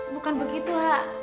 bukan begitu ha